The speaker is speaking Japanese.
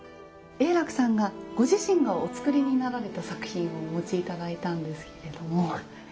永樂さんがご自身がお作りになられた作品をお持ち頂いたんですけれども。